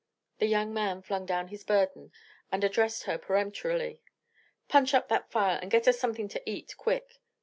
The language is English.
The young man flung down his burden, and addressed her peremptorily. "Punch up that fire, and get us something to eat, quick!"